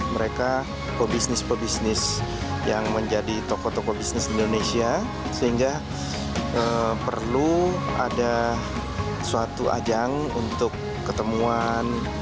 mereka pebisnis pebisnis yang menjadi tokoh tokoh bisnis di indonesia sehingga perlu ada suatu ajang untuk ketemuan